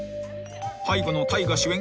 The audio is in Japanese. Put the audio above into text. ［背後の大河主演